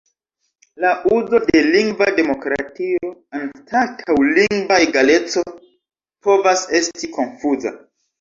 La uzo de "lingva demokratio" anstataŭ "lingva egaleco" povas esti konfuza.